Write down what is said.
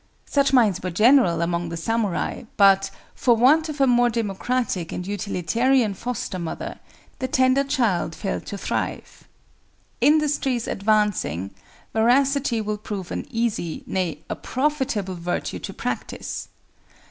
Such minds were general among the samurai, but, for want of a more democratic and utilitarian foster mother, the tender child failed to thrive. Industries advancing, Veracity will prove an easy, nay, a profitable, virtue to practice.